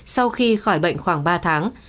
sau khi khỏi bệnh khoảng ba tháng